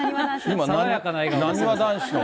なにわ男子の。